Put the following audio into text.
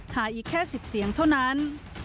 หาอีกแค่๑๐เสียงเท่านั้น